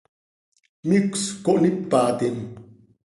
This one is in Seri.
Micös cohnípatim.